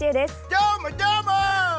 どーも、どーも！